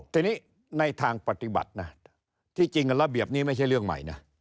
ทีนี้ในทางปฏิบัตินะที่จริงระเบียบนี้ไม่ใช่เรื่องใหม่นะ